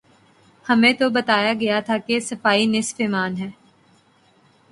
ہمیں تو بتایا گیا تھا کہ صفائی نصف ایمان ہے۔